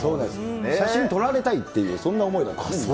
写真撮られたいっていう、そんな思いがね。